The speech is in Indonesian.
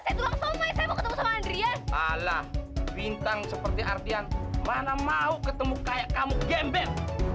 saya mau ketemu sama andrian alah bintang seperti artian mana mau ketemu kayak kamu gembel